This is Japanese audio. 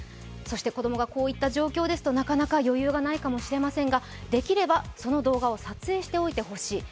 子供がこういった状況ですとなかなか余裕はありませんができればその動画を撮影しておいてほしい。